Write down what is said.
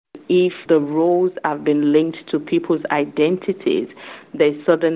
jika perubahan telah dilengkapi dengan identitas orang